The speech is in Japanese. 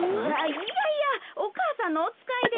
いやいやお母さんのおつかいで。